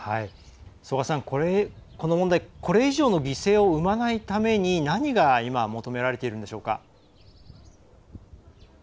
この問題これ以上の犠牲を生まないために何が今求められているんでしょうか？